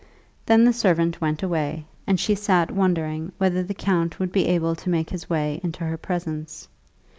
Then the servant went away, and she sat wondering whether the count would be able to make his way into her presence.